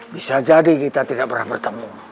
bisa jadi kita tidak pernah bertemu